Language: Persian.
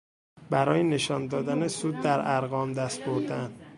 برای نشان دادن سود در ارقام دست بردن